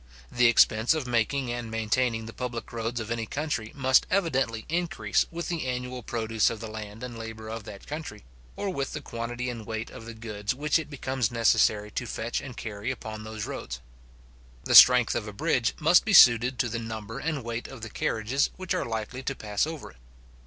The expense of making and maintaining the public roads of any country must evidently increase with the annual produce of the land and labour of that country, or with the quantity and weight of the goods which it becomes necessary to fetch and carry upon those roads. The strength of a bridge must be suited to the number and weight of the carriages which are likely to pass over it.